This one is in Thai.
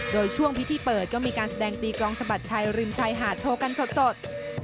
โดยช่วงพิธีเปิดก็มีการแสดงตีกรองสะบัดชัยริมชายหาดโชว์กันสด